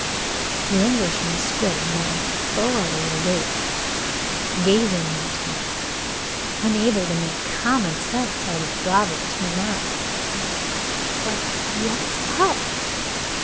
The Englishman stood, now thoroughly awake, gazing at him, unable to make common sense out of Robert's remarks. "B b but what's up?